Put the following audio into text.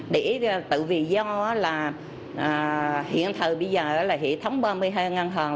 để tự vì dân là hiện thời bây giờ là hệ thống ba mươi hai ngân hàng